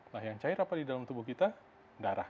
nah yang cair apa di dalam tubuh kita darah